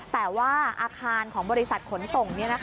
แต่ว่าอาคารของบริษัทขนส่ง